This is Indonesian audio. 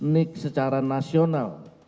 nic secara nasional